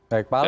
baik pak alex